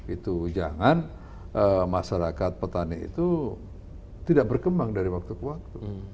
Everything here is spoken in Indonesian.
itu jangan masyarakat petani itu tidak berkembang dari waktu ke waktu